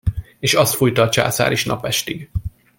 És azt fújta a császár is napestig.